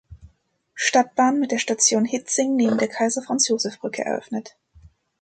Stadtbahn mit der Station Hietzing neben der Kaiser-Franz-Joseph-Brücke eröffnet.